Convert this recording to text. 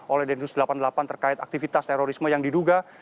oleh densus delapan puluh delapan terkait aktivitas terorisme yang diduga